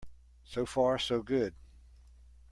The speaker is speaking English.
So far so good.